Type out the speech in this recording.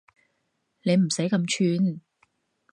你唔使咁串